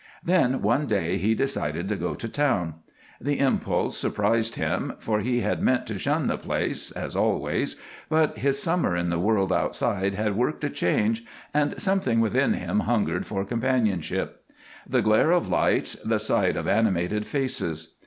Then one day he decided to go to town. The impulse surprised him, for he had meant to shun the place, as always, but his summer in the world outside had worked a change and something within him hungered for companionship, the glare of lights, the sight of animated faces.